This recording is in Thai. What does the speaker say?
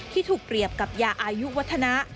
ที่ถูกเปรียบกับยาอายุวัฒนะ